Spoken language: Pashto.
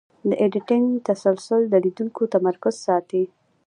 د ایډیټینګ تسلسل د لیدونکي تمرکز ساتي.